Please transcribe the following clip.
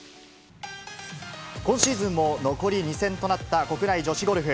今シーズンも残り２戦となった国内女子ゴルフ。